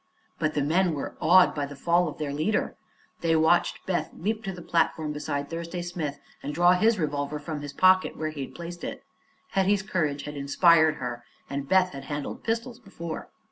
But the men were awed by the fall of their leader. They watched Beth leap to the platform beside Thursday Smith and draw his revolver from his pocket, where he had placed it. Hetty's courage had inspired her, and Beth had handled pistols before.